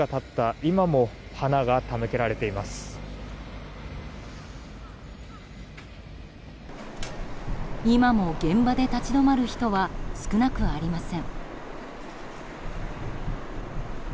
今も現場で立ち止まる人は少なくありません。